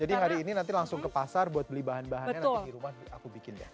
jadi hari ini nanti langsung ke pasar buat beli bahan bahannya nanti di rumah aku bikin deh